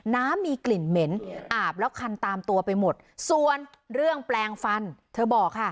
น้ำมีกลิ่นเหม็นอาบแล้วคันตามตัวไปหมดส่วนเรื่องแปลงฟันเธอบอกค่ะ